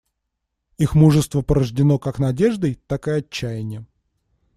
Их мужество порождено как надеждой, так и отчаянием.